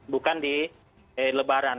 bukan di lebaran